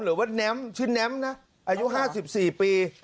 หรือว่าแน้มชื่อน้ำนะอายุ๕๔ปี